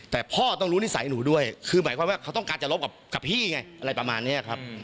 แต่พ่อต้องรู้นิสัยหนูด้วยคือหมายความว่าเขาต้องการจะรบกับพี่ไงอะไรประมาณนี้ครับ